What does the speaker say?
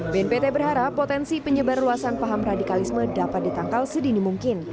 bnpt berharap potensi penyebar luasan paham radikalisme dapat ditangkal sedini mungkin